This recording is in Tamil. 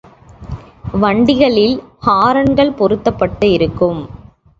வண்டிகளில் ஹார்ன்கள் பொருத்தப்பட்டு இருக்கும்.